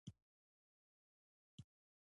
خو همدا مې په وس پوره ده.